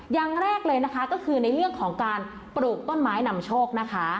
อย่างแรกเลยนะคะก็คือในเรื่องของการปลูกต้นไม้นำโชคนะคะ